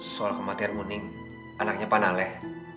soal kematian muning anaknya panaleh